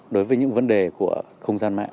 đối với những vấn đề của không gian mạng